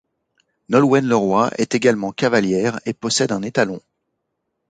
Nolwenn Leroy est également cavalière et possède un étalon.